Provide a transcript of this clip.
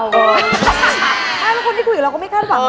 แล้วคนที่คุยกับเราก็ไม่คาดหวัง